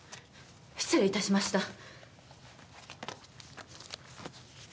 失礼いたしました